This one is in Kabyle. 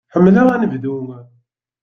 Ḥemmleɣ anebdu.